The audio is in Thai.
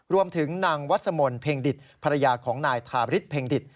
รวมถึงนางวัสมนต์เพลงดิตภรรยาของนายทาริสเพ็งดิต